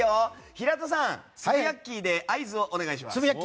平田さん、ツブヤッキーで合図をお願いします。